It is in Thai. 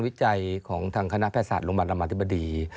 วิจัยของทางคณะแพทยศาสตร์โรงพยาบาลรามาธิบดี